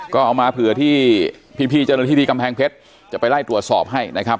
ก็เอามาเผื่อที่พี่เจ้าหน้าที่ที่กำแพงเพชรจะไปไล่ตรวจสอบให้นะครับ